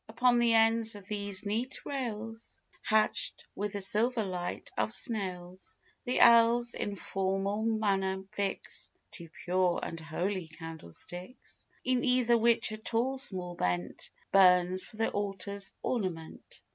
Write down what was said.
Upon the ends of these neat rails, Hatch'd with the silver light of snails, The elves, in formal manner, fix Two pure and holy candlesticks, In either which a tall small bent Burns for the altar's ornament.